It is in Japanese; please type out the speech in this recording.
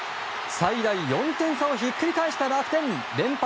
最大４点差をひっくり返した楽天連敗